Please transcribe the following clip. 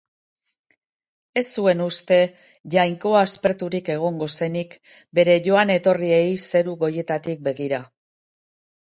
Ez zuen uste jainko asperturik egongo zenik bere joan-etorriei zeru goietatik begira.